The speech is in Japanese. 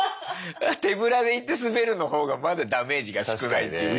手ぶらで行ってスベるの方がまだダメージが少ないっていう。